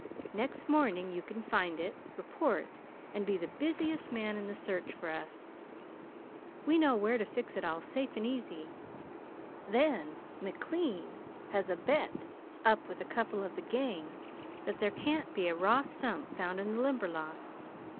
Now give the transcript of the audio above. Next morning you can find it, report, and be the busiest man in the search for us. We know where to fix it all safe and easy. Then McLean has a bet up with a couple of the gang that there can't be a raw stump found in the Limberlost.